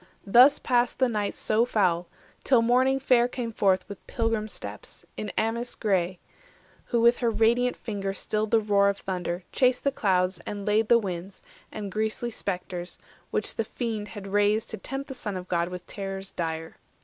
Thus passed the night so foul, till Morning fair Came forth with pilgrim steps, in amice grey, Who with her radiant finger stilled the roar Of thunder, chased the clouds, and laid the winds, And griesly spectres, which the Fiend had raised 430 To tempt the Son of God with terrors dire.